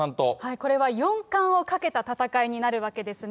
これは四冠をかけた戦いになるわけですね。